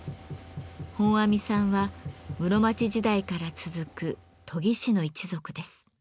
本阿弥さんは室町時代から続く研ぎ師の一族です。